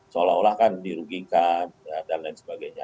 seolah olah kan dirugikan dan lain sebagainya